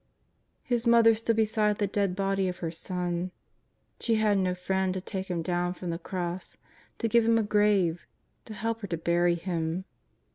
His Mother stood beside the dead body of her Son. She had no friend to take Him down from the cross, to give Him a grave, to help her to bury Him.